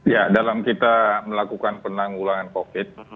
ya dalam kita melakukan penanggulangan covid